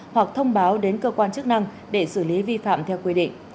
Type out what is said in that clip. hoặc thông báo đến cơ quan chức năng để xử lý vi phạm theo quy định